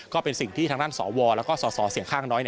ก็เป็นสิ่งที่ทางด้านสวแล้วก็สสเสียงข้างน้อย